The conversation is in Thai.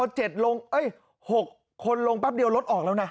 แต่พอ๗ลงหกคนลงปั๊บเดียวรถออกแล้วนะ